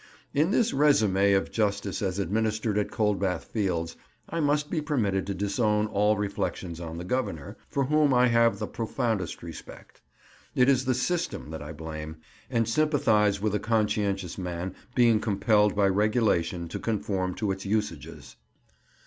In this résumé of justice as administered at Coldbath Fields I must be permitted to disown all reflections on the Governor, for whom I have the profoundest respect. It is the system that I blame, and sympathize with a conscientious man being compelled by regulation to conform to its usages.